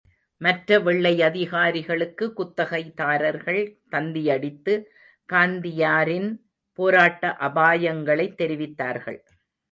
மற்ற வெள்ளையதிகாரிகளுக்கு குத்தகைதாரர்கள் தந்தியடித்து காந்தியாரின் போராட்ட அபாயங்களைத் தெரிவித்தார்கள்.